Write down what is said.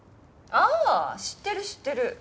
ああ知ってる知ってる。